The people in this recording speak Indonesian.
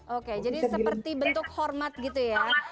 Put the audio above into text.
oke jadi seperti bentuk hormat gitu ya